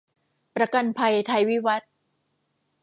ประกันภัยไทยวิวัฒน์